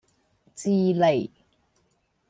智利